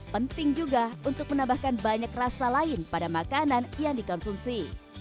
penting juga untuk menambahkan banyak rasa lain pada makanan yang dikonsumsi